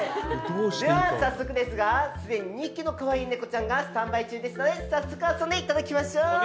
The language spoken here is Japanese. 早速ですがすでに２匹の可愛いネコちゃんがスタンバイ中ですので早速遊んでいただきましょう。